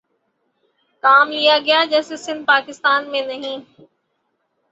کام لیا گیا جیسے سندھ پاکستان میں نہیں